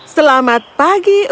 selamat pagi orang raja